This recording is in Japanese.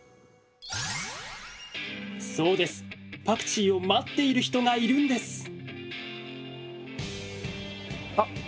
パクチーを待っている人がいるんです！